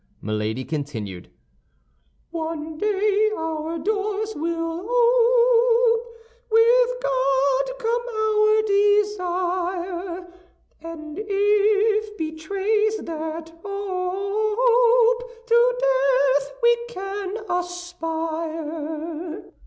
Milady continued: "One day our doors will ope, With God come our desire; And if betrays that hope, To death we can aspire."